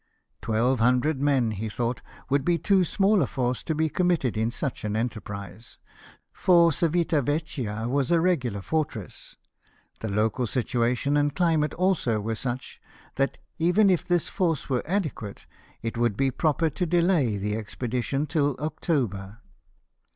" Twelve hundred men, he thought, would be too small a force to be committed in such an enterprise, for Civita Vecchia was a regular fortress, the local situation and climate also were such, that, even if this force were adequate, it would be proper to delay the expedition till October.